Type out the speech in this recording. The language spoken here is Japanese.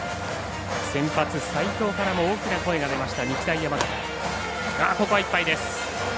先発、齋藤からも大きな声が出た、日大山形。